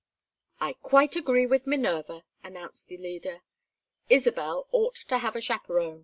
"I quite agree with Minerva!" announced the leader. "Isabel ought to have a chaperon.